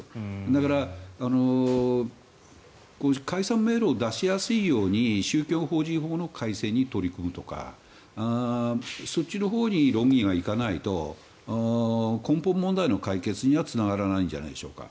だから解散命令を出しやすいように宗教法人法の改正に取り組むとかそっちのほうに論議がいかないと根本問題の解決にはつながらないんじゃないでしょうか。